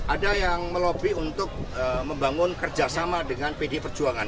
ada yang melobi untuk membangun kerjasama dengan pd perjuangan